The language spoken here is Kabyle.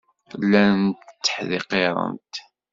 Llant tteḥdiqirent.